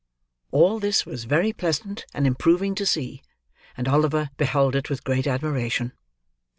All this was very pleasant and improving to see; and Oliver beheld it with great admiration.